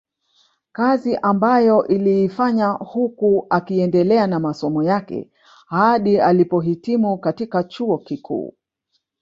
Kazi ambayo aliifanya huku akiendelea na masomo yake hadi alipohitimu katika chuo kikuu